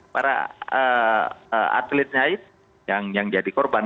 para atlet naik yang jadi korban